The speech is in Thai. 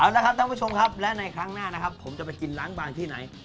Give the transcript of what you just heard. เอาละครับท่านผู้ชมครับและในครั้งหน้านะครับผมจะไปกินล้างบางที่ไหน